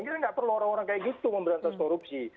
kita nggak perlu orang orang kayak gitu memberantas korupsi